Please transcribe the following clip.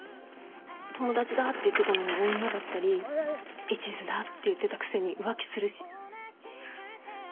友達だって言ってたのに女だったりいちずだって言ってたくせに浮気するし。